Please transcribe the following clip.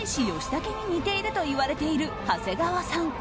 竹に似ているといわれている長谷川さん。